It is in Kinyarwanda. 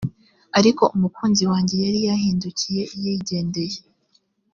ariko umukunzi wanjye yari yahindukiye yigendeye